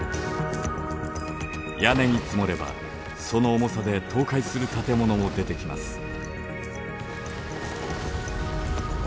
屋根に積もればその重さで倒壊する建物も出てきます。